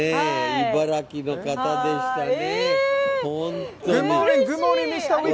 茨城の方でしたね。